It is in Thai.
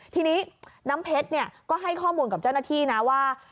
ทีนี้น้ำเพชรก็ให้ข้อมูลกับเจ้าหน้าที่นะว่า